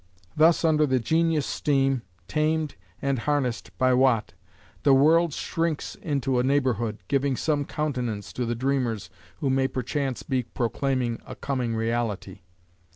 Thus under the genius Steam, tamed and harnessed by Watt, the world shrinks into a neighborhood, giving some countenance to the dreamers who may perchance be proclaiming a coming reality.